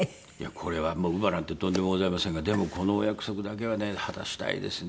これはもう乳母なんてとんでもございませんがでもこのお約束だけはね果たしたいですね。